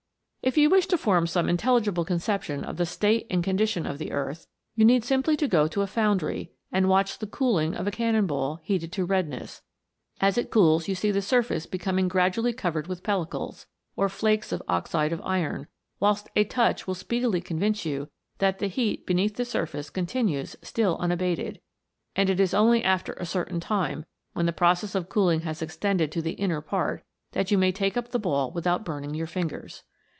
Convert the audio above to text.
PLUTO'S KINGDOM. 285 If you wish to form some intelligible conception of the state and condition of the earth, you need simply go to a foundry, and watch the cooling of a cannon ball heated to redness ; as it cools you see the surface becoming gradually covered with pelli cles, or flakes of oxide of iron, whilst a touch will speedily convince you that the heat beneath the surface continues still unabated ; and it is only after a certain time, when the process of cooling has ex tended to the inner part, that you may take up the ball without burning your fingers.